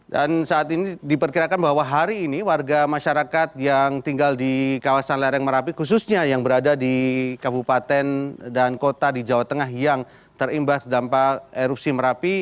dan saat ini diperkirakan bahwa hari ini warga masyarakat yang tinggal di kawasan lereng merapi khususnya yang berada di kabupaten dan kota di jawa tengah yang terimbas dampak erupsi merapi